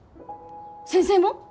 先生も？